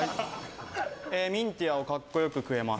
ミンティアを格好良く食えます。